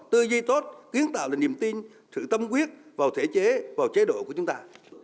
tư duy tốt kiến tạo là niềm tin sự tâm quyết vào thể chế vào chế độ của chúng ta